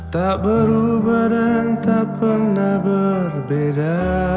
tak berubah dan tak pernah berbeda